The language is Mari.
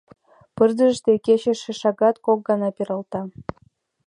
Пырдыжыште кечыше шагат кок гана пералта.